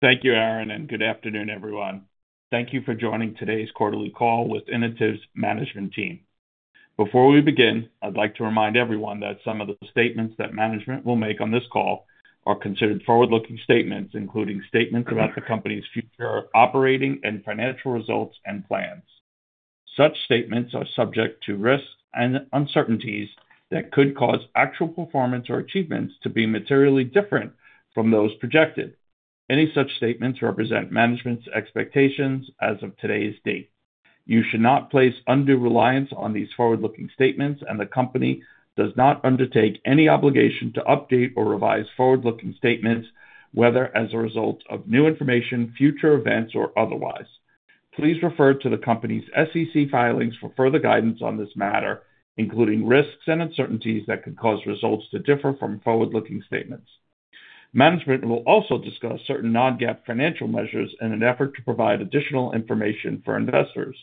Thank you, Aaron, and good afternoon, everyone. Thank you for joining today's Quarterly Call with Inotiv's Management Team. Before we begin, I'd like to remind everyone that some of the statements that management will make on this call are considered forward-looking statements, including statements about the company's future operating and financial results and plans. Such statements are subject to risks and uncertainties that could cause actual performance or achievements to be materially different from those projected. Any such statements represent management's expectations as of today's date. You should not place undue reliance on these forward-looking statements, and the company does not undertake any obligation to update or revise forward-looking statements, whether as a result of new information, future events, or otherwise. Please refer to the company's SEC filings for further guidance on this matter, including risks and uncertainties that could cause results to differ from forward-looking statements. Management will also discuss certain non-GAAP financial measures in an effort to provide additional information for investors.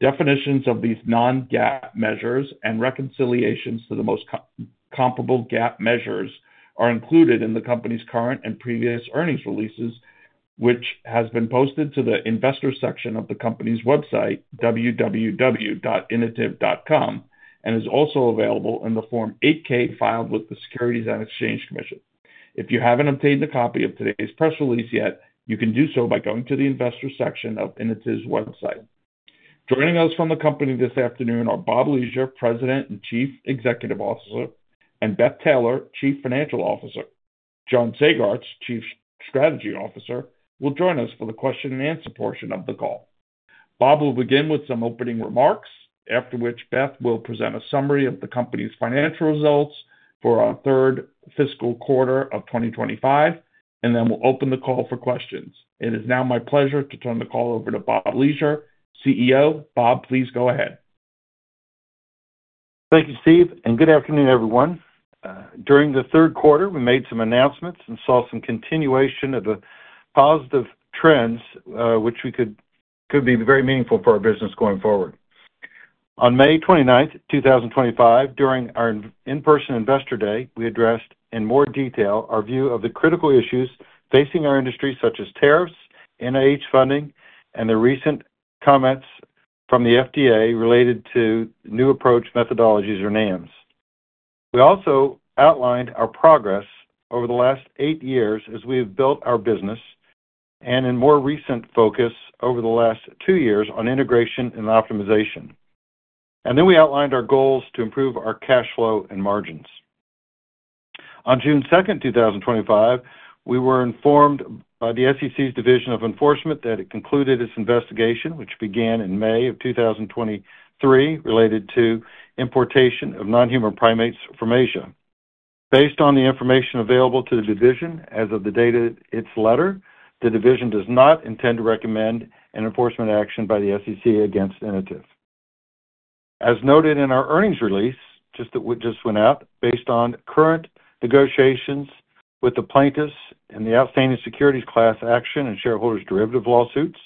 Definitions of these non-GAAP measures and reconciliations to the most comparable GAAP measures are included in the company's current and previous earnings releases, which have been posted to the investor section of the company's website, www.inotiv.com, and are also available in the Form 8-K filed with the SEC. If you haven't obtained a copy of today's press release yet, you can do so by going to the investor section of Inotiv's website. Joining us from the company this afternoon are Bob Leasure, President and Chief Executive Officer, and Beth Taylor, Chief Financial Officer. John Sagartz, Chief Strategy Officer, will join us for the question and answer portion of the call. Bob will begin with some opening remarks, after which Beth will present a summary of the company's financial results for our third fiscal quarter of 2025, and then we'll open the call for questions. It is now my pleasure to turn the call over to Bob Leasure, CEO. Bob, please go ahead. Thank you, Steve, and good afternoon, everyone. During the third quarter, we made some announcements and saw some continuation of the positive trends, which could be very meaningful for our business going forward. On May 29, 2025, during our in-person investor day, we addressed in more detail our view of the critical issues facing our industry, such as tariffs, NIH funding, and the recent comments from the FDA related to new approach methodologies or NAMs. We also outlined our progress over the last eight years as we have built our business, and in more recent focus over the last two years on integration and optimization. We outlined our goals to improve our cash flow and margins. On June 2, 2025, we were informed by the SEC's Division of Enforcement that it concluded its investigation, which began in May 2023, related to importation of NHPs from Asia. Based on the information available to the Division as of the date of its letter, the Division does not intend to recommend an enforcement action by the SEC against Inotiv. As noted in our earnings release that just went out, based on current negotiations with the plaintiffs in the outstanding securities class action and shareholders' derivative lawsuits,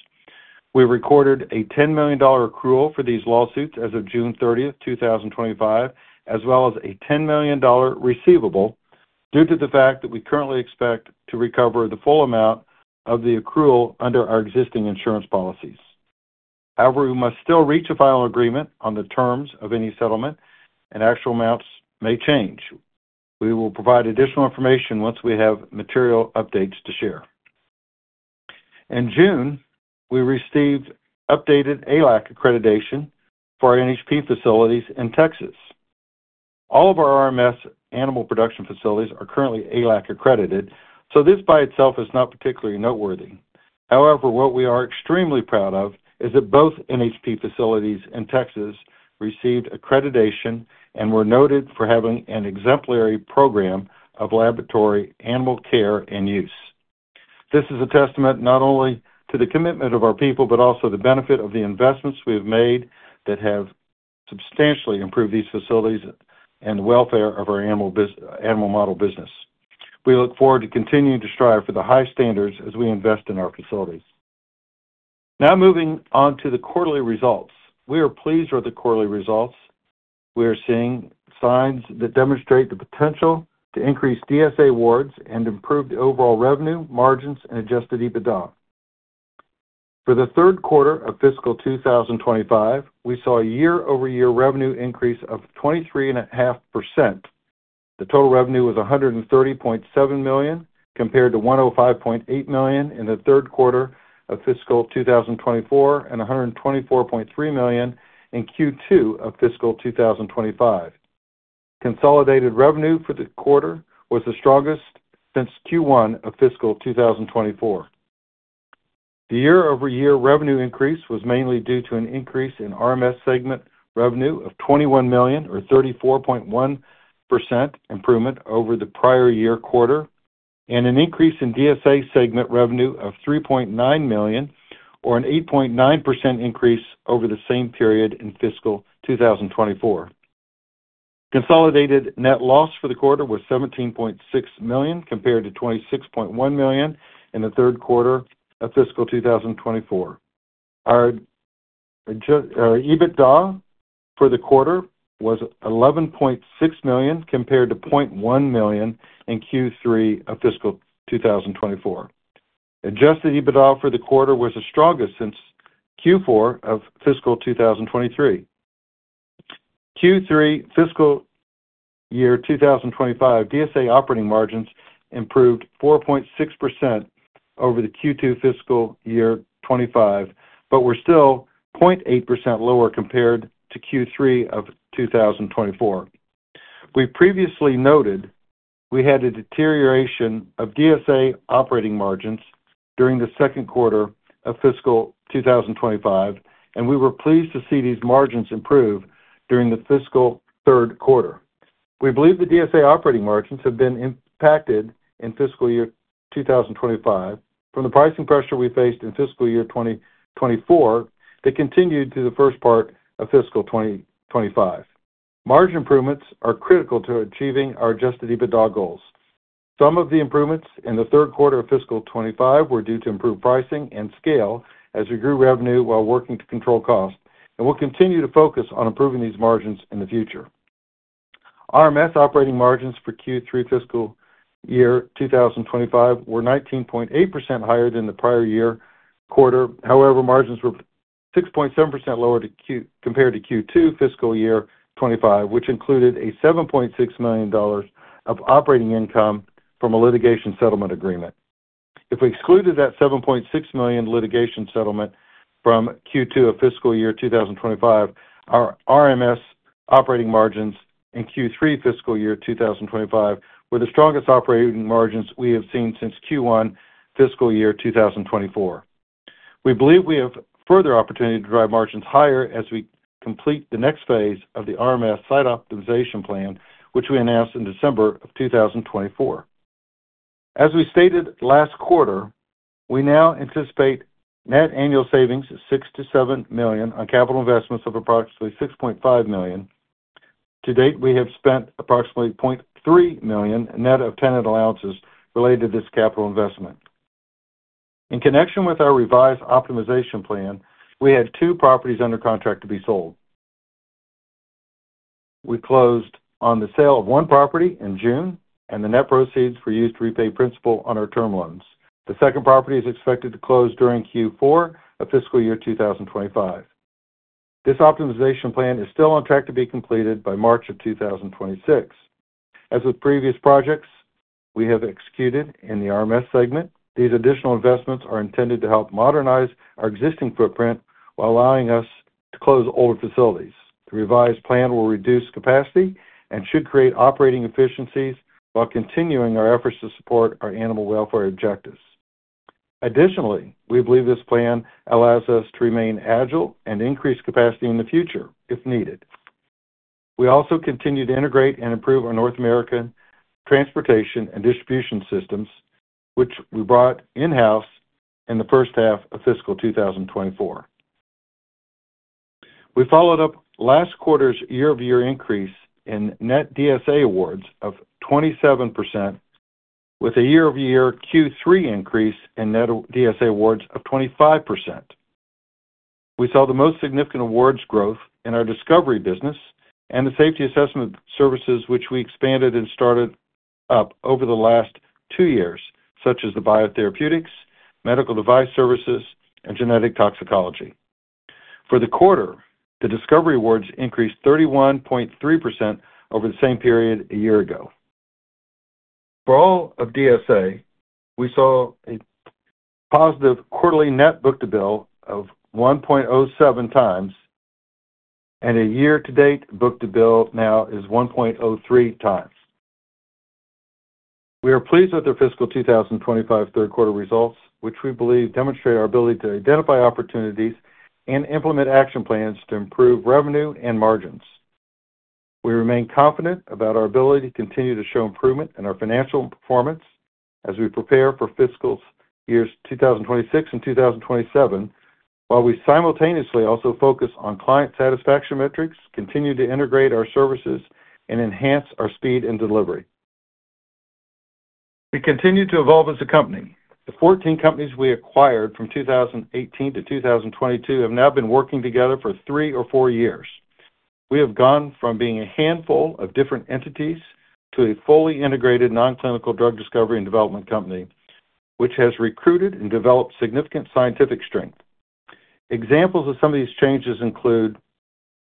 we recorded a $10 million accrual for these lawsuits as of June 30, 2025, as well as a $10 million receivable due to the fact that we currently expect to recover the full amount of the accrual under our existing insurance policies. However, we must still reach a final agreement on the terms of any settlement, and actual amounts may change. We will provide additional information once we have material updates to share. In June, we received updated ALAC accreditation for our NHP facilities in Texas. All of our RMS animal production facilities are currently ALAC accredited, so this by itself is not particularly noteworthy. However, what we are extremely proud of is that both NHP facilities in Texas received accreditation and were noted for having an exemplary program of laboratory animal care and use. This is a testament not only to the commitment of our people, but also the benefit of the investments we have made that have substantially improved these facilities and welfare of our animal model business. We look forward to continuing to strive for the highest standards as we invest in our facilities. Now moving on to the quarterly results, we are pleased with the quarterly results. We are seeing signs that demonstrate the potential to increase DSA awards and improve the overall revenue, margins, and adjusted EBITDA. For the third quarter of fiscal 2025, we saw a year-over-year revenue increase of 23.5%. The total revenue was $130.7 million compared to $105.8 million in the third quarter of fiscal 2024 and $124.3 million in Q2 of fiscal 2025. Consolidated revenue for the quarter was the strongest since Q1 of fiscal 2024. The year-over-year revenue increase was mainly due to an increase in RMS segment revenue of $21 million, or 34.1% improvement over the prior year quarter, and an increase in DSA segment revenue of $3.9 million, or an 8.9% increase over the same period in fiscal 2024. Consolidated net loss for the quarter was $17.6 million compared to $26.1 million in the third quarter of fiscal 2024. Our EBITDA for the quarter was $11.6 million compared to $0.1 million in Q3 of fiscal 2024. Adjusted EBITDA for the quarter was the strongest since Q4 of fiscal 2023. Q3 fiscal year 2025, DSA operating margins improved 4.6% over the Q2 fiscal year 2025, but were still 0.8% lower compared to Q3 of 2024. We previously noted we had a deterioration of DSA operating margins during the second quarter of fiscal 2025, and we were pleased to see these margins improve during the fiscal third quarter. We believe the DSA operating margins have been impacted in fiscal year 2025 from the pricing pressure we faced in fiscal year 2024 that continued through the first part of fiscal 2025. Margin improvements are critical to achieving our adjusted EBITDA goals. Some of the improvements in the third quarter of fiscal 2025 were due to improved pricing and scale as we grew revenue while working to control costs, and we'll continue to focus on improving these margins in the future. RMS operating margins for Q3 fiscal year 2025 were 19.8% higher than the prior-year-quarter; however, margins were 6.7% lower compared to Q2 fiscal year 2025, which included $7.6 million of operating income from a litigation settlement agreement. If we excluded that $7.6 million litigation settlement from Q2 of fiscal year 2025, our RMS operating margins in Q3 fiscal year 2025 were the strongest operating margins we have seen since Q1 fiscal year 2024. We believe we have further opportunity to drive margins higher as we complete the next phase of the RMS site optimization plan, which we announced in December of 2024. As we stated last quarter, we now anticipate net annual savings of $6 million-$7 million on capital investments of approximately $6.5 million. To date, we have spent approximately $0.3 million in net of tenant allowances related to this capital investment. In connection with our revised optimization plan, we had two properties under contract to be sold. We closed on the sale of one property in June, and the net proceeds were used to repay principal on our term loans. The second property is expected to close during Q4 of fiscal year 2025. This optimization plan is still on track to be completed by March of 2026. As with previous projects we have executed in the RMS segment, these additional investments are intended to help modernize our existing footprint while allowing us to close older facilities. The revised plan will reduce capacity and should create operating efficiencies while continuing our efforts to support our animal welfare objectives. Additionally, we believe this plan allows us to remain agile and increase capacity in the future if needed. We also continue to integrate and improve our North American transportation and distribution systems, which we brought in-house in the first half of fiscal 2024. We followed up last quarter's year-over-year increase in net DSA awards of 27%, with a year-over-year Q3 increase in net DSA awards of 25%. We saw the most significant awards growth in our discovery business and the safety assessment services, which we expanded and started up over the last two years, such as the biotherapeutics, medical device services, and genetic toxicology. For the quarter, the discovery awards increased 31.3% over the same period a year ago. For all of DSA, we saw a positive quarterly net book-to-bill of 1.07x, and a year-to-date book-to-bill now is 1.03 times. We are pleased with our fiscal 2025 third quarter results, which we believe demonstrate our ability to identify opportunities and implement action plans to improve revenue and margins. We remain confident about our ability to continue to show improvement in our financial performance as we prepare for fiscal years 2026 and 2027, while we simultaneously also focus on client satisfaction metrics, continue to integrate our services, and enhance our speed in delivery. We continue to evolve as a company. The 14 companies we acquired from 2018-2022 have now been working together for three or four years. We have gone from being a handful of different entities to a fully integrated nonclinical drug discovery and development company, which has recruited and developed significant scientific strength. Examples of some of these changes include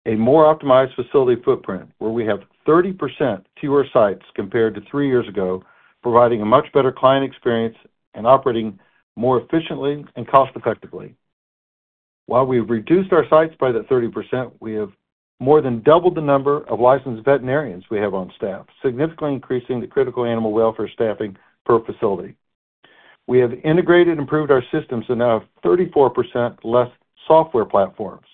a more optimized facility footprint, where we have 30% fewer sites compared to three years ago, providing a much better client experience and operating more efficiently and cost-effectively. While we have reduced our sites by that 30%, we have more than doubled the number of licensed veterinarians we have on staff, significantly increasing the critical animal welfare staffing per facility. We have integrated and improved our systems and now have 34% fewer software platforms.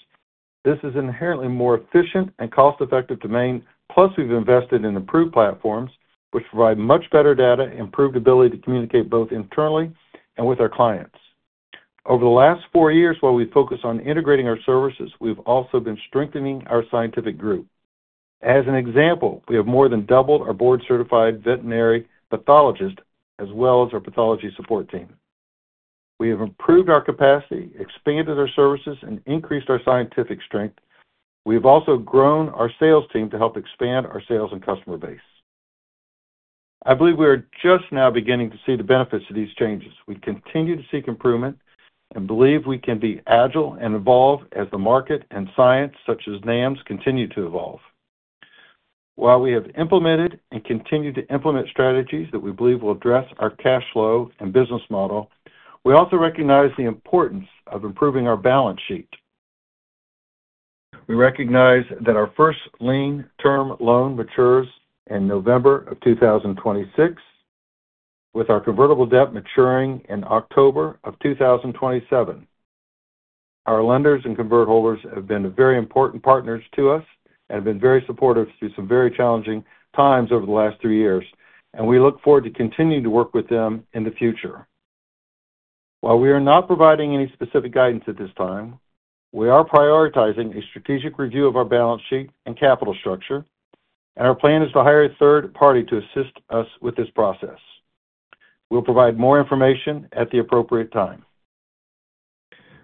This is inherently a more efficient and cost-effective domain, plus we've invested in improved platforms, which provide much better data and improved ability to communicate both internally and with our clients. Over the last four years, while we focus on integrating our services, we've also been strengthening our scientific group. As an example, we have more than doubled our board-certified veterinary pathologists, as well as our pathology support team. We have improved our capacity, expanded our services, and increased our scientific strength. We've also grown our sales team to help expand our sales and customer base. I believe we are just now beginning to see the benefits of these changes. We continue to seek improvement and believe we can be agile and evolve as the market and science, such as NAMs, continue to evolve. While we have implemented and continue to implement strategies that we believe will address our cash flow and business model, we also recognize the importance of improving our balance sheet. We recognize that our first lien term loan matures in November of 2026, with our convertible debt maturing in October of 2027. Our lenders and convertible holders have been very important partners to us and have been very supportive through some very challenging times over the last three years, and we look forward to continuing to work with them in the future. While we are not providing any specific guidance at this time, we are prioritizing a strategic review of our balance sheet and capital structure, and our plan is to hire a third party to assist us with this process. We'll provide more information at the appropriate time.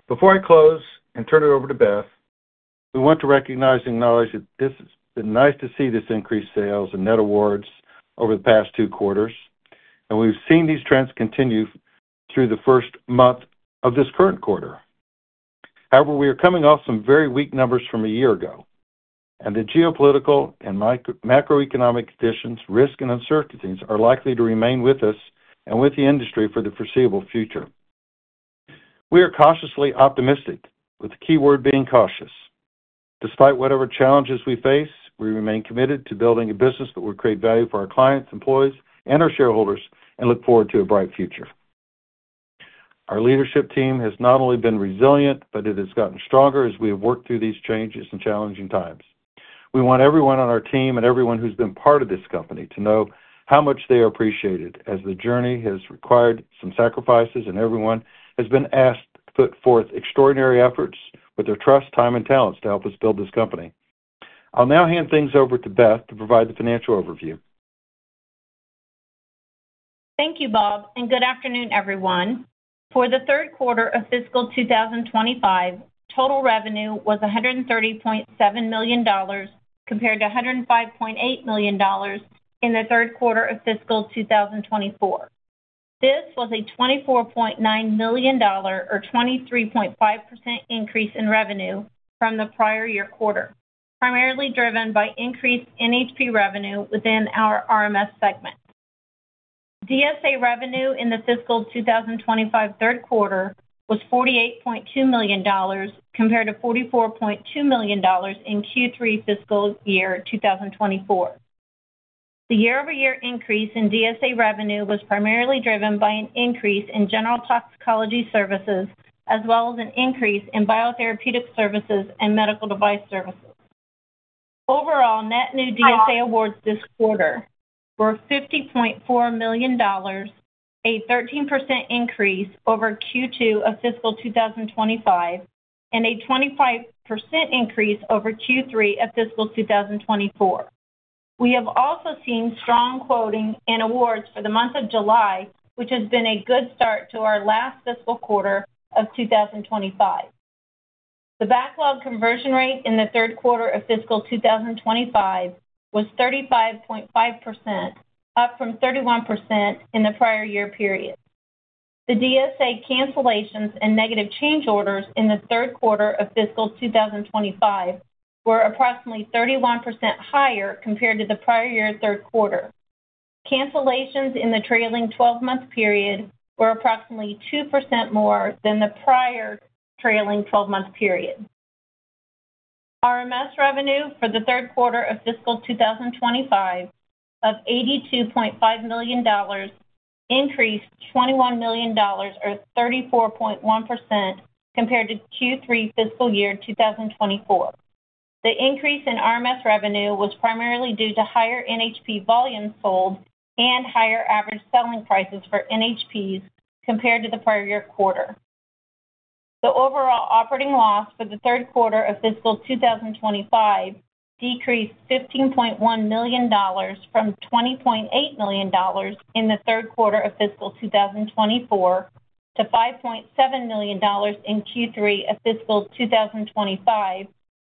Before I close and turn it over to Beth, we want to recognize and acknowledge that it's been nice to see this increase in sales and net awards over the past two quarters, and we've seen these trends continue through the first month of this current quarter. However, we are coming off some very weak numbers from a year ago, and the geopolitical and macroeconomic conditions, risks, and uncertainties are likely to remain with us and with the industry for the foreseeable future. We are cautiously optimistic, with the keyword being cautious. Despite whatever challenges we face, we remain committed to building a business that will create value for our clients, employees, and our shareholders, and look forward to a bright future. Our leadership team has not only been resilient, but it has gotten stronger as we have worked through these changes and challenging times. We want everyone on our team and everyone who's been part of this company to know how much they are appreciated, as the journey has required some sacrifices and everyone has been asked to put forth extraordinary efforts with their trust, time, and talents to help us build this company. I'll now hand things over to Beth to provide the financial overview. Thank you, Bob, and good afternoon, everyone. For the third quarter of fiscal 2025, total revenue was $130.7 million compared to $105.8 million in the third quarter of fiscal 2024. This was a $24.9 million or 23.5% increase in revenue from the prior-year-quarter, primarily driven by increased NHP revenue within our RMS segment. DSA revenue in the fiscal 2025 third quarter was $48.2 million compared to $44.2 million in Q3 fiscal year 2024. The year-over-year increase in DSA revenue was primarily driven by an increase in general toxicology services, as well as an increase in biotherapeutic services and medical device services. Overall, net new DSA awards this quarter were $50.4 million, a 13% increase over Q2 of fiscal 2025, and a 25% increase over Q3 of fiscal 2024. We have also seen strong quoting and awards for the month of July, which has been a good start to our last fiscal quarter of 2025. The backlog conversion rate in the third quarter of fiscal 2025 was 35.5%, up from 31% in the prior-year-period. The DSA cancellations and negative change orders in the third quarter of fiscal 2025 were approximately 31% higher compared to the prior-year third quarter. Cancellations in the trailing 12-month period were approximately 2% more than the prior trailing 12-month period. RMS revenue for the third quarter of fiscal 2025 of $82.5 million increased $21 million or 34.1% compared to Q3 fiscal year 2024. The increase in RMS revenue was primarily due to higher NHP volumes sold and higher average selling prices for NHPs compared to the prior-year-quarter. The overall operating loss for the third quarter of fiscal 2025 decreased $15.1 million from $20.8 million in the third quarter of fiscal 2024 to $5.7 million in Q3 of fiscal 2025,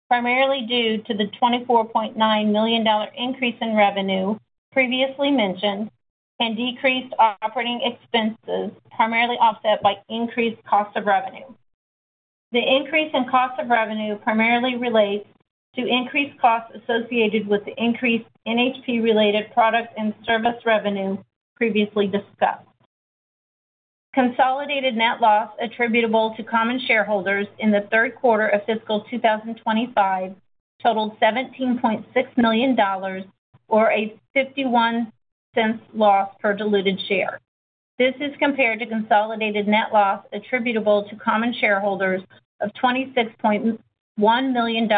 primarily due to the $24.9 million increase in revenue previously mentioned and decreased operating expenses, primarily offset by increased cost of revenue. The increase in cost of revenue primarily relates to increased costs associated with the increased NHP-related product and service revenue previously discussed. Consolidated net loss attributable to common shareholders in the third quarter of fiscal 2025 totaled $17.6 million or a $0.51 loss per diluted share. This is compared to consolidated net loss attributable to common shareholders of $26.1 million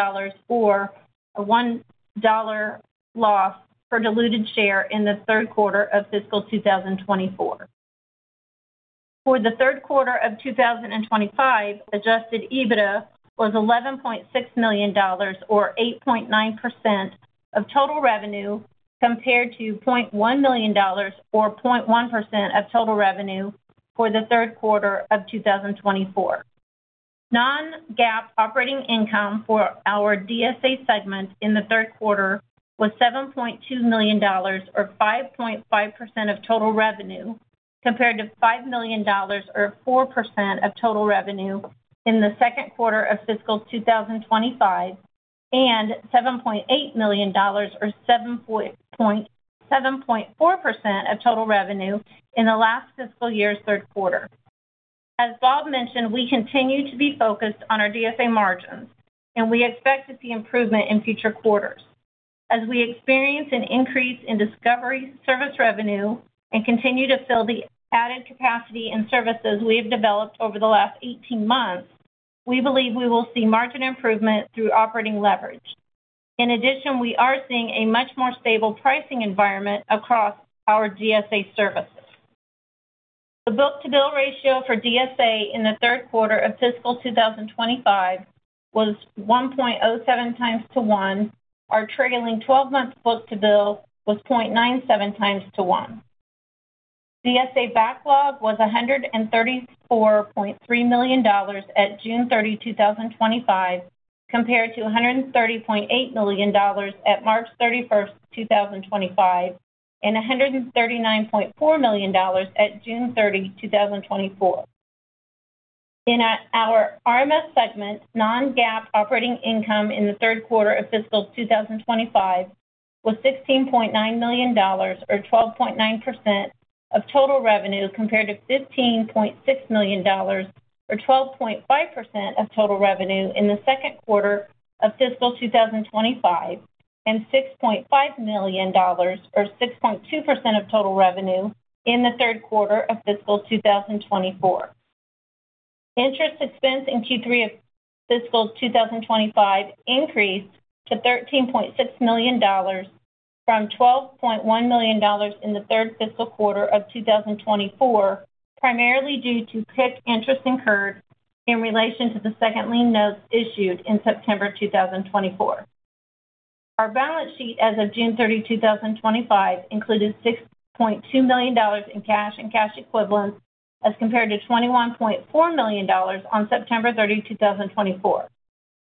or a $1.00 loss per diluted share in the third quarter of fiscal 2024. For the third quarter of 2025, adjusted EBITDA was $11.6 million or 8.9% of total revenue compared to $0.1 million or 0.1% of total revenue for the third quarter of 2024. Non-GAAP operating income for our DSA segment in the third quarter was $7.2 million or 5.5% of total revenue compared to $5 million or 4% of total revenue in the second quarter of fiscal 2025 and $7.8 million or 7.4% of total revenue in the last fiscal year's third quarter. As Bob mentioned, we continue to be focused on our DSA margins, and we expect to see improvement in future quarters. As we experience an increase in discovery service revenue and continue to fill the added capacity and services we have developed over the last 18 months, we believe we will see margin improvement through operating leverage. In addition, we are seeing a much more stable pricing environment across our DSA services. The book-to-bill ratio for DSA in the third quarter of fiscal 2025 was 1.07x to 1. Our trailing 12-month book-to-bill was 0.97x to 1. DSA backlog was $134.3 million at June 30, 2025, compared to $130.8 million at March 31, 2025, and $139.4 million at June 30, 2024. In our RMS segment, non-GAAP operating income in the third quarter of fiscal 2025 was $16.9 million or 12.9% of total revenue compared to $15.6 million or 12.5% of total revenue in the second quarter of fiscal 2025 and $6.5 million or 6.2% of total revenue in the third quarter of fiscal 2024. Interest expense in Q3 of fiscal 2025 increased to $13.6 million from $12.1 million in the third fiscal quarter of 2024, primarily due to tipped interest incurred in relation to the second lien notes issued in September 2024. Our balance sheet as of June 30, 2025 included $6.2 million in CCE as compared to $21.4 million on September 30, 2024.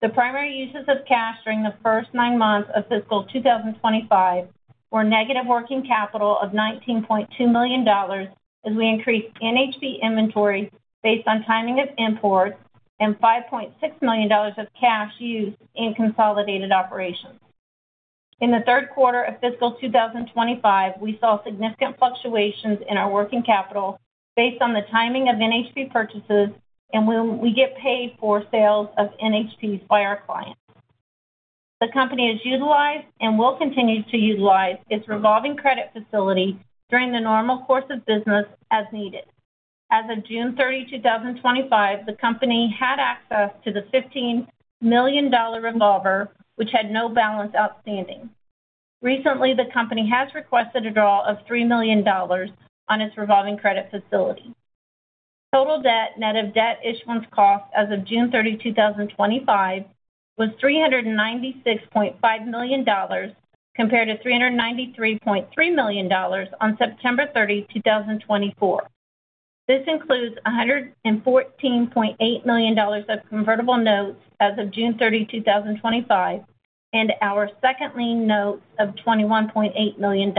The primary uses of cash during the first nine months of fiscal 2025 were negative working capital of $19.2 million as we increased NHP inventories based on timing of imports and $5.6 million of cash used in consolidated operations. In the third quarter of fiscal 2025, we saw significant fluctuations in our working capital based on the timing of NHP purchases and when we get paid for sales of NHPs by our clients. The company has utilized and will continue to utilize its revolving credit facility during the normal course of business as needed. As of June 30, 2025, the company had access to the $15 million revolver, which had no balance outstanding. Recently, the company has requested a draw of $3 million on its revolving credit facility. Total debt net of debt issuance cost as of June 30, 2025, was $396.5 million compared to $393.3 million on September 30, 2024. This includes $114.8 million of convertible notes as of June 30, 2025, and our second lien note of $21.8 million.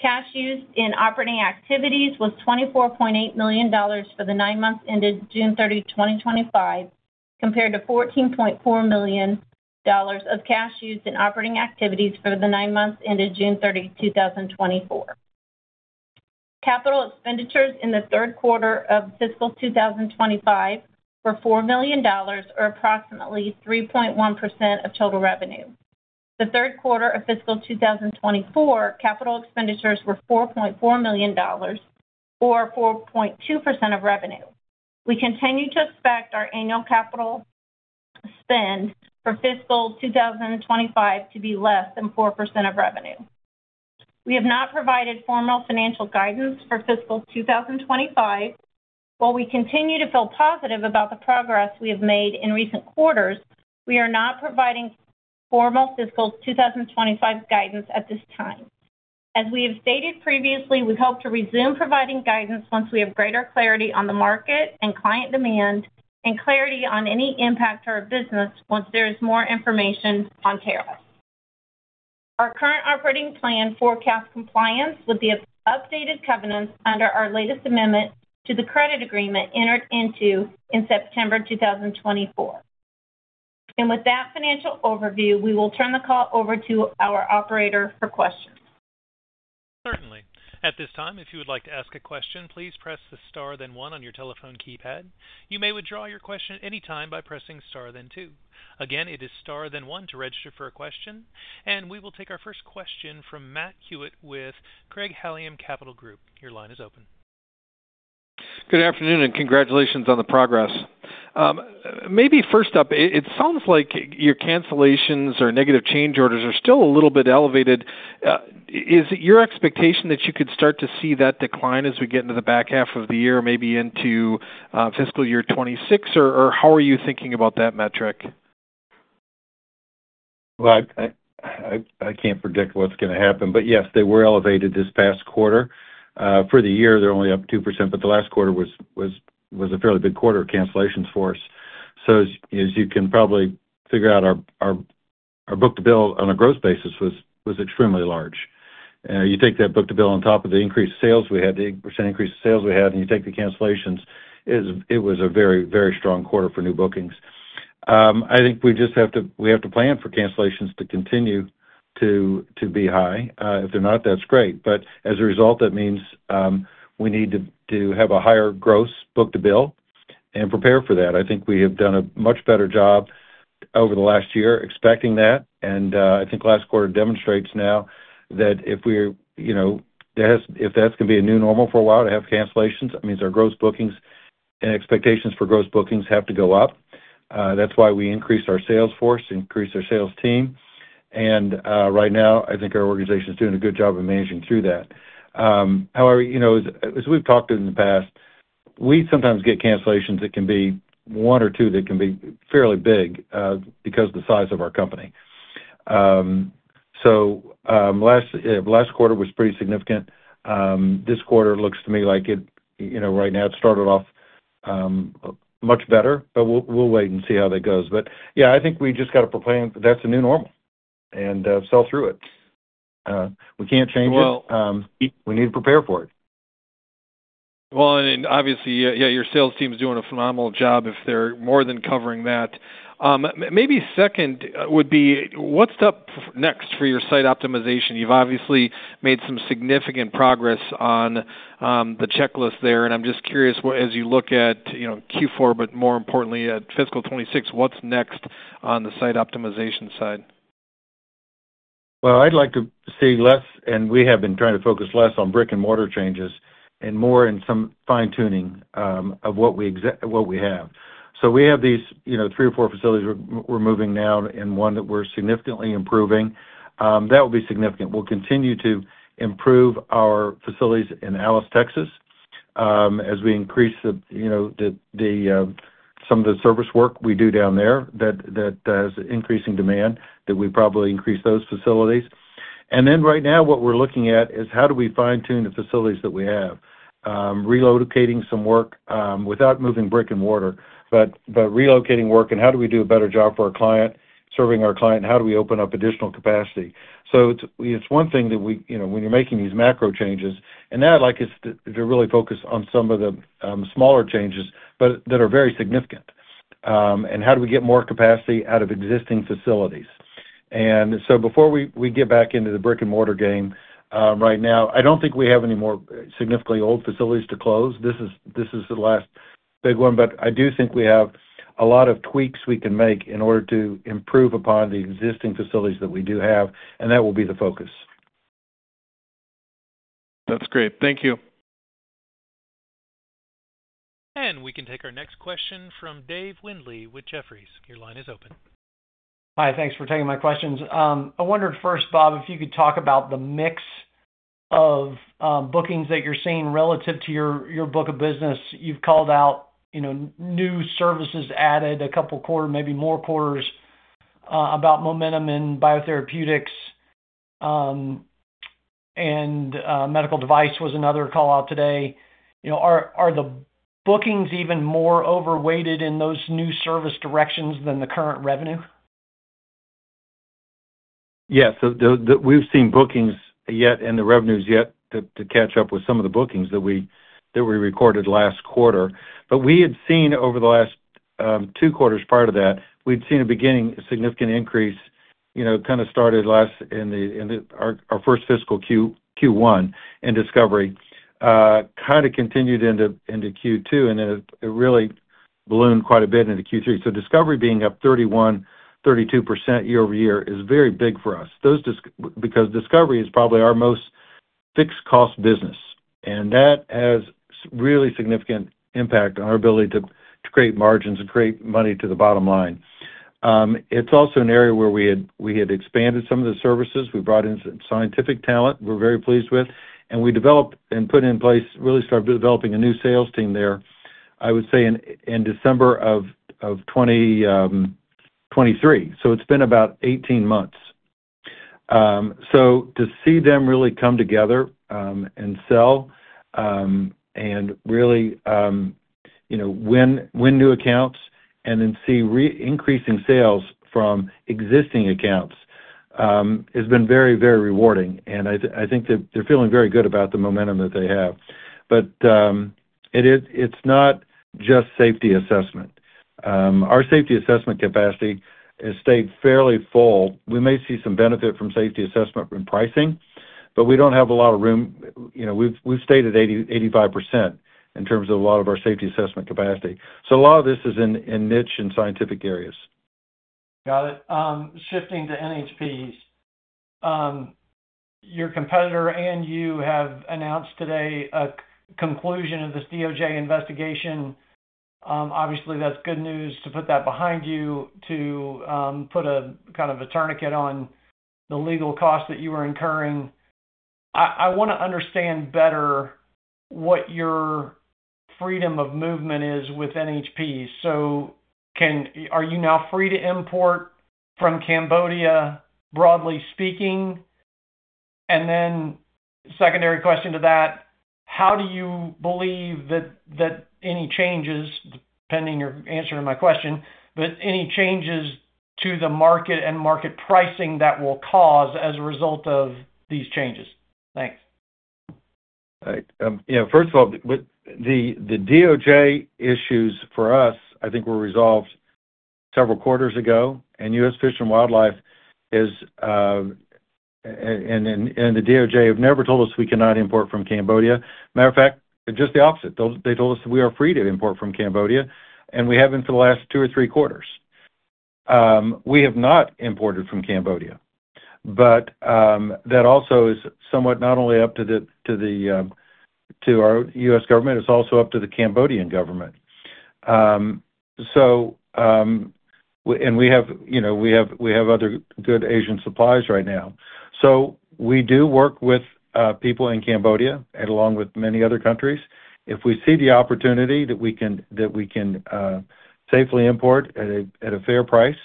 Cash used in operating activities was $24.8 million for the nine months ended June 30, 2025, compared to $14.4 million of cash used in operating activities for the nine months ended June 30, 2024. Capital expenditures in the third quarter of fiscal 2025 were $4 million, or approximately 3.1% of total revenue. In the third quarter of fiscal 2024, capital expenditures were $4.4 million, or 4.2% of revenue. We continue to expect our annual capital spend for fiscal 2025 to be less than 4% of revenue. We have not provided formal financial guidance for fiscal 2025. While we continue to feel positive about the progress we have made in recent quarters, we are not providing formal fiscal 2025 guidance at this time. As we have stated previously, we hope to resume providing guidance once we have greater clarity on the market and client demand and clarity on any impact to our business once there is more information on tariffs. Our current operating plan forecasts compliance with the updated covenants under our latest amendment to the credit agreement entered into in September 2024. With that financial overview, we will turn the call over to our operator for questions. Certainly. At this time, if you would like to ask a question, please press the star then one on your telephone keypad. You may withdraw your question at any time by pressing star then two. Again, it is star then one to register for a question, and we will take our first question from Matt Hewitt with Craig Hallum Capital Group. Your line is open. Good afternoon, and congratulations on the progress. Maybe first up, it sounds like your cancellations or negative change orders are still a little bit elevated. Is it your expectation that you could start to see that decline as we get into the back half of the year, maybe into fiscal year 2026, or how are you thinking about that metric? I can't predict what's going to happen, but yes, they were elevated this past quarter. For the year, they're only up 2%, but the last quarter was a fairly big quarter of cancellations for us. As you can probably figure out, our book-to-bill on a gross basis was extremely large. You take that book-to-bill on top of the increased sales we had, the 8% increase in sales we had, and you take the cancellations, it was a very, very strong quarter for new bookings. I think we just have to plan for cancellations to continue to be high. If they're not, that's great. As a result, that means we need to have a higher gross book-to-bill and prepare for that. I think we have done a much better job over the last year expecting that, and I think last quarter demonstrates now that if that's going to be a new normal for a while to have cancellations, that means our gross bookings and expectations for gross bookings have to go up. That's why we increased our sales force, increased our sales team, and right now, I think our organization is doing a good job of managing through that. However, as we've talked in the past, we sometimes get cancellations that can be one or two that can be fairly big because of the size of our company. Last quarter was pretty significant. This quarter looks to me like it started off much better, but we'll wait and see how that goes. I think we just got to plan. That's a new normal and sell through it. We can't change it. We need to prepare for it. Obviously, your sales team is doing a phenomenal job. They're more than covering that. Maybe second would be, what's up next for your site optimization? You've obviously made some significant progress on the checklist there, and I'm just curious, as you look at Q4, but more importantly at fiscal 2026, what's next on the site optimization side? I'd like to see less, and we have been trying to focus less on brick-and-mortar changes and more in some fine-tuning of what we have. We have these three or four facilities we're moving now and one that we're significantly improving. That will be significant. We'll continue to improve our facilities in Alice, Texas, as we increase some of the service work we do down there that has increasing demand, that we probably increase those facilities. Right now, what we're looking at is how do we fine-tune the facilities that we have, relocating some work without moving brick and mortar, but relocating work and how do we do a better job for our client, serving our client, and how do we open up additional capacity. It's one thing that we, when you're making these macro changes, and now I'd like us to really focus on some of the smaller changes, but that are very significant, and how do we get more capacity out of existing facilities. Before we get back into the brick-and-mortar game right now, I don't think we have any more significantly old facilities to close. This is the last big one, but I do think we have a lot of tweaks we can make in order to improve upon the existing facilities that we do have, and that will be the focus. That's great. Thank you. We can take our next question from Dave Lindley with Jefferies. Your line is open. Hi, thanks for taking my questions. I wondered first, Bob, if you could talk about the mix of bookings that you're seeing relative to your book of business. You've called out, you know, new services added a couple of quarters, maybe more quarters, about momentum in biotherapeutics, and medical device was another call out today. Are the bookings even more overweighted in those new service directions than the current revenue? Yes, we've seen bookings yet and the revenues yet to catch up with some of the bookings that we recorded last quarter. We had seen over the last two quarters prior to that, we'd seen a beginning significant increase, you know, kind of started last in our first fiscal Q1 in discovery, kind of continued into Q2, and then it really ballooned quite a bit into Q3. Discovery being up 31, 32% year over year is very big for us because discovery is probably our most fixed cost business, and that has really significant impact on our ability to create margins and create money to the bottom line. It's also an area where we had expanded some of the services. We brought in scientific talent we're very pleased with, and we developed and put in place, really started developing a new sales team there, I would say, in December of 2023. It's been about 18 months. To see them really come together and sell and really, you know, win new accounts and then see increasing sales from existing accounts has been very, very rewarding. I think that they're feeling very good about the momentum that they have. It's not just safety assessment. Our safety assessment capacity has stayed fairly full. We may see some benefit from safety assessment in pricing, but we don't have a lot of room. We've stayed at 85% in terms of a lot of our safety assessment capacity. A lot of this is in niche and scientific areas. Got it. Shifting to NHPs, your competitor and you have announced today a conclusion of this DOJ investigation. Obviously, that's good news to put that behind you, to put a kind of a tourniquet on the legal costs that you were incurring. I want to understand better what your freedom of movement is with NHP. Are you now free to import from Cambodia, broadly speaking? A secondary question to that, how do you believe that any changes, pending your answer to my question, but any changes to the market and market pricing that will cause as a result of these changes? Thanks. Yeah, first of all, the DOJ issues for us, I think, were resolved several quarters ago, and U.S. Fish and Wildlife and the DOJ have never told us we cannot import from Cambodia. Matter of fact, just the opposite. They told us that we are free to import from Cambodia, and we have been for the last two or three quarters. We have not imported from Cambodia, but that also is somewhat not only up to our U.S. government, it's also up to the Cambodian government. We have other good Asian supplies right now. We do work with people in Cambodia along with many other countries. If we see the opportunity that we can safely import at a fair price,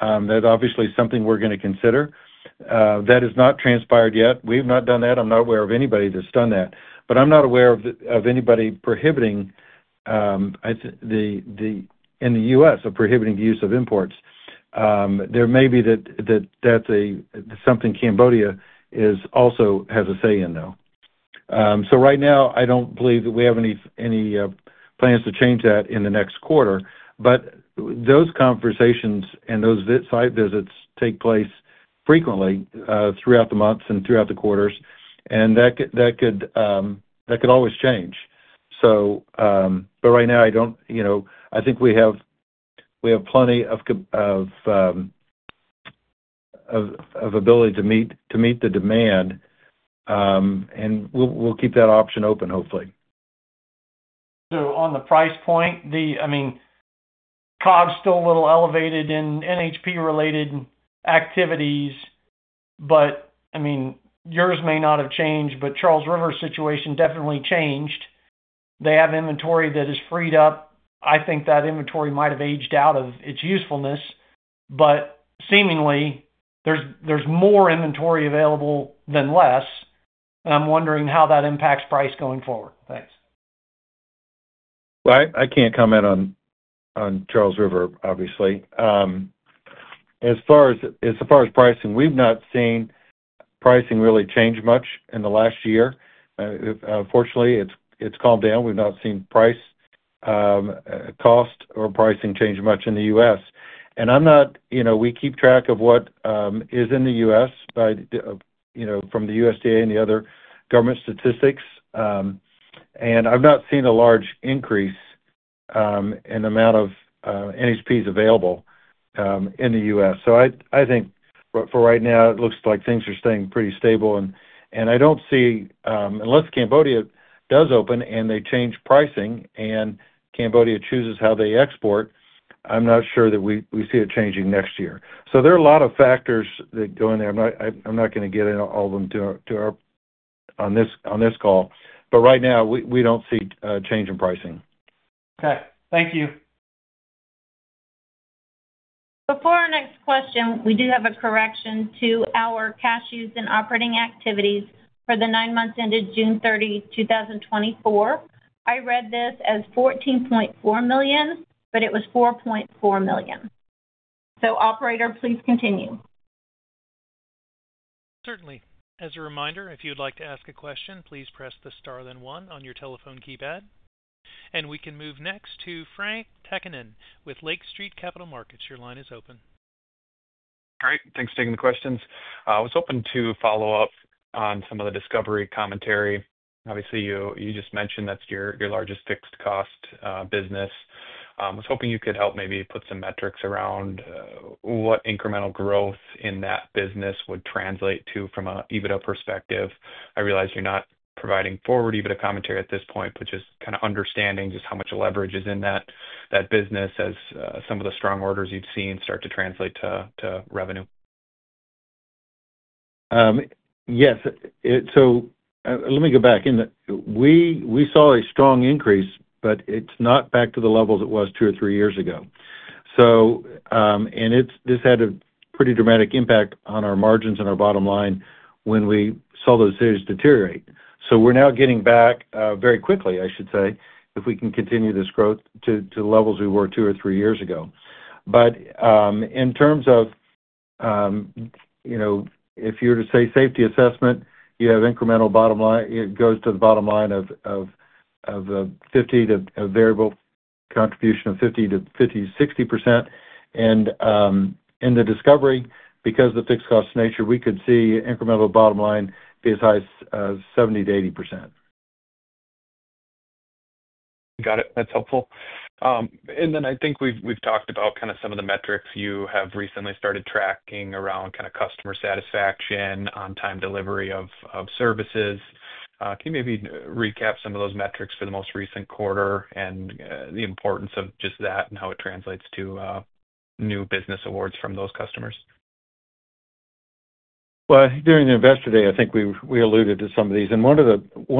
that obviously is something we're going to consider. That has not transpired yet. We have not done that. I'm not aware of anybody that's done that. I'm not aware of anybody prohibiting in the U.S. of prohibiting the use of imports. There may be something Cambodia also has a say in though. Right now, I don't believe that we have any plans to change that in the next quarter. Those conversations and those site visits take place frequently throughout the months and throughout the quarters, and that could always change. Right now, I think we have plenty of ability to meet the demand, and we'll keep that option open, hopefully. On the price point, I mean, COB's still a little elevated in NHP-related activities, but I mean, yours may not have changed, but Charles River's situation definitely changed. They have inventory that is freed up. I think that inventory might have aged out of its usefulness, but seemingly, there's more inventory available than less. I'm wondering how that impacts price going forward. Thanks. I can't comment on Charles River, obviously. As far as pricing, we've not seen pricing really change much in the last year. Fortunately, it's calmed down. We've not seen price, cost, or pricing change much in the U.S. We keep track of what is in the U.S. by, you know, from the USDA and the other government statistics, and I've not seen a large increase in the amount of NHPs available in the U.S. I think for right now, it looks like things are staying pretty stable. I don't see, unless Cambodia does open and they change pricing and Cambodia chooses how they export, I'm not sure that we see it changing next year. There are a lot of factors that go in there. I'm not going to get into all of them on this call, but right now, we don't see a change in pricing. Okay, thank you. Before our next question, we do have a correction to our cash used in operating activities for the nine months ended June 30, 2024. I read this as $14.4 million, but it was $4.4 million. Operator, please continue. Certainly. As a reminder, if you'd like to ask a question, please press the star then one on your telephone keypad. We can move next to Frank Takkinen with Lake Street Capital Markets. Your line is open. All right. Thanks for taking the questions. I was hoping to follow up on some of the discovery commentary. Obviously, you just mentioned that's your largest fixed cost business. I was hoping you could help maybe put some metrics around what incremental growth in that business would translate to from an EBITDA perspective. I realize you're not providing forward EBITDA commentary at this point, but just kind of understanding just how much leverage is in that business as some of the strong orders you've seen start to translate to revenue. Yes. Let me go back. We saw a strong increase, but it's not back to the levels it was two or three years ago. This had a pretty dramatic impact on our margins and our bottom line when we saw those figures deteriorate. We're now getting back very quickly, I should say, if we can continue this growth to the levels we were two or three years ago. In terms of, you know, if you were to say safety assessment, you have incremental bottom line, it goes to the bottom line of a variable contribution of 50%-60%. In the discovery, because of the fixed cost nature, we could see incremental bottom line be as high as 70%-80%. Got it. That's helpful. I think we've talked about kind of some of the metrics you have recently started tracking around kind of customer satisfaction, on-time delivery of services. Can you maybe recap some of those metrics for the most recent quarter and the importance of just that and how it translates to new business awards from those customers? During the Investor Day, I think we alluded to some of these. One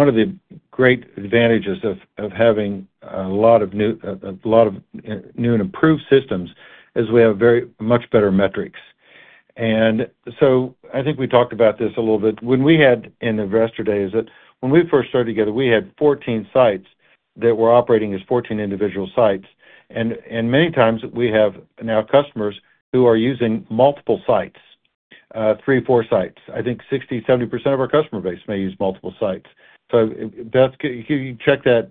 of the great advantages of having a lot of new and improved systems is we have very much better metrics. I think we talked about this a little bit. When we had an Investor Day, when we first started together, we had 14 sites that were operating as 14 individual sites. Many times, we have now customers who are using multiple sites, three or four sites. I think 60%-70% of our customer base may use multiple sites. Beth, can you check that?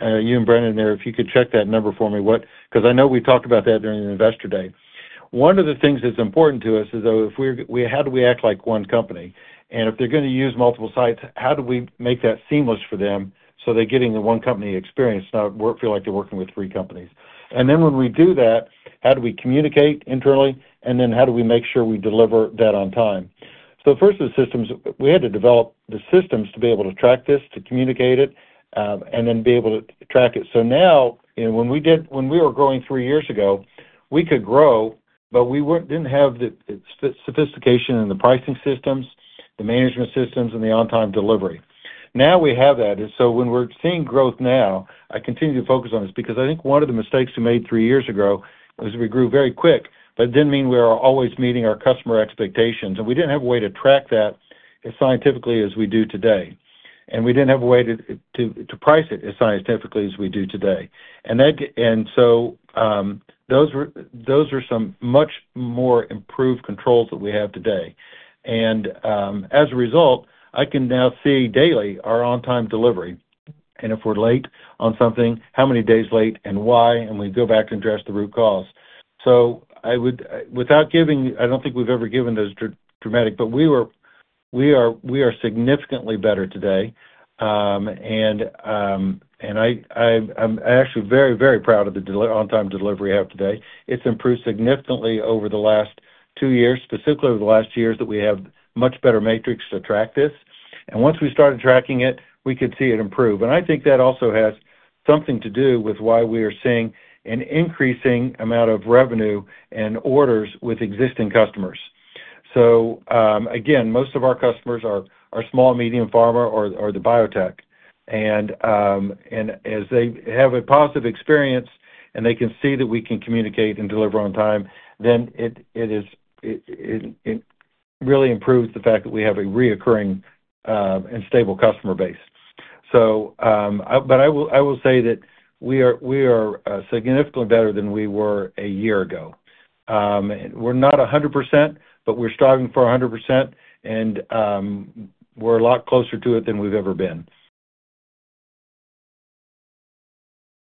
You and Brendan there, if you could check that number for me, because I know we talked about that during the Investor Day. One of the things that's important to us is, though, how do we act like one company? If they're going to use multiple sites, how do we make that seamless for them so they're getting the one-company experience, not feel like they're working with three companies? When we do that, how do we communicate internally, and how do we make sure we deliver that on time? First, the systems, we had to develop the systems to be able to track this, to communicate it, and then be able to track it. Now, when we were growing three years ago, we could grow, but we didn't have the sophistication in the pricing systems, the management systems, and the on-time delivery. Now we have that. When we're seeing growth now, I continue to focus on this because I think one of the mistakes we made three years ago was we grew very quick, but it didn't mean we were always meeting our customer expectations. We didn't have a way to track that as scientifically as we do today. We didn't have a way to price it as scientifically as we do today. Those are some much more improved controls that we have today. As a result, I can now see daily our on-time delivery. If we're late on something, how many days late and why, and we go back to address the root cause. I don't think we've ever given it as dramatic, but we are significantly better today. I'm actually very, very proud of the on-time delivery we have today. It's improved significantly over the last two years, specifically over the last two years that we have much better metrics to track this. Once we started tracking it, we could see it improve. I think that also has something to do with why we are seeing an increasing amount of revenue and orders with existing customers. Most of our customers are small, medium, pharma, or the biotech. As they have a positive experience and they can see that we can communicate and deliver on time, it really improves the fact that we have a reoccurring and stable customer base. I will say that we are significantly better than we were a year ago. We're not 100%, but we're striving for 100%, and we're a lot closer to it than we've ever been.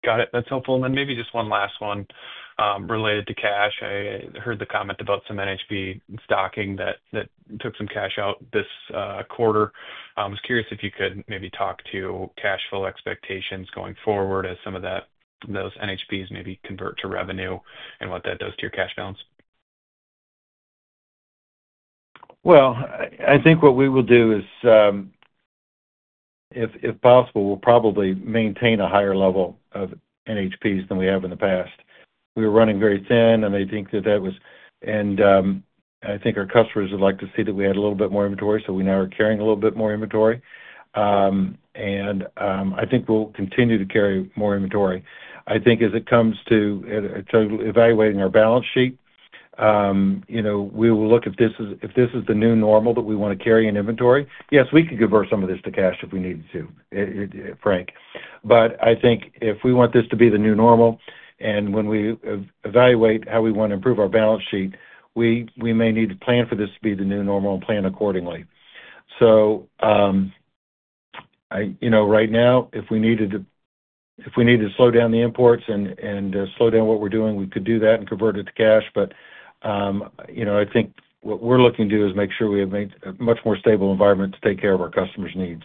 Got it. That's helpful. Maybe just one last one related to cash. I heard the comment about some NHP stocking that took some cash out this quarter. I was curious if you could maybe talk to cash flow expectations going forward as some of those NHPs maybe convert to revenue and what that does to your cash balance. I think what we will do is, if possible, we'll probably maintain a higher level of NHPs than we have in the past. We were running very thin, and I think that was, and I think our customers would like to see that we had a little bit more inventory, so we now are carrying a little bit more inventory. I think we'll continue to carry more inventory. I think as it comes to evaluating our balance sheet, you know, we will look at this as if this is the new normal that we want to carry in inventory. Yes, we could convert some of this to cash if we needed to, Frank. If we want this to be the new normal, and when we evaluate how we want to improve our balance sheet, we may need to plan for this to be the new normal and plan accordingly. Right now, if we needed to slow down the imports and slow down what we're doing, we could do that and convert it to cash. I think what we're looking to do is make sure we have a much more stable environment to take care of our customers' needs.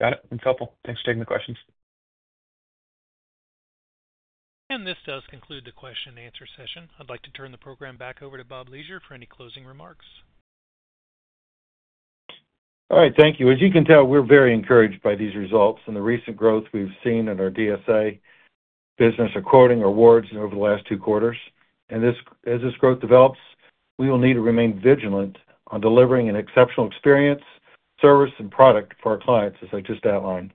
Got it. That's helpful. Thanks for taking the questions. This does conclude the question and answer session. I'd like to turn the program back over to Bob Leasure for any closing remarks. All right. Thank you. As you can tell, we're very encouraged by these results and the recent growth we've seen in our DSA business according to awards over the last two quarters. As this growth develops, we will need to remain vigilant on delivering an exceptional experience, service, and product for our clients, as I just outlined.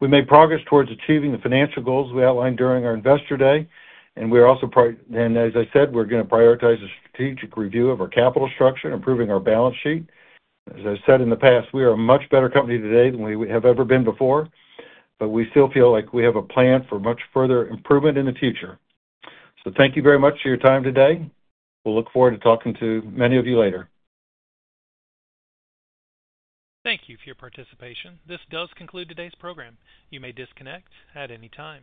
We made progress towards achieving the financial goals we outlined during our Investor Day, and we are also, as I said, going to prioritize a strategic review of our capital structure, improving our balance sheet. As I've said in the past, we are a much better company today than we have ever been before, but we still feel like we have a plan for much further improvement in the future. Thank you very much for your time today. We'll look forward to talking to many of you later. Thank you for your participation. This does conclude today's program. You may disconnect at any time.